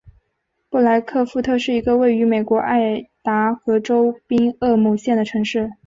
布莱克富特是一个位于美国爱达荷州宾厄姆县的城市。